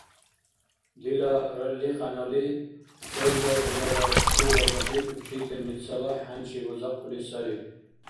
Дила ралликьянали кӀелра журала школабазиб учителницала хӀянчи бузахъули сари.